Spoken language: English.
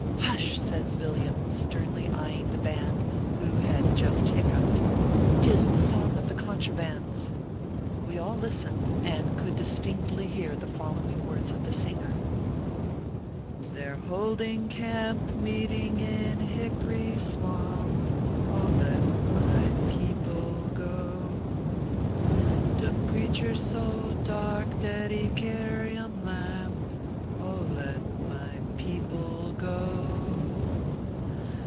"Hush !" says Villiam, sternly eyeing the band, who had just hiccupped " tis the song of the Con trabands." We all listened, and could distinctly hear the fol lowing words of the singer : "They re holding camp meeting in Hickory Swamp, 0, let my people go ; Do preacher s so dark dat he carry um lamp, 0, let my people go.